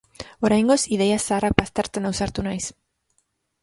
Oraingoz, ideia zaharrak baztertzen ausartu naiz.